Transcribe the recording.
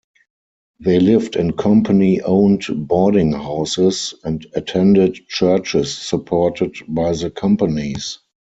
They lived in company-owned boarding houses, and attended churches supported by the companies.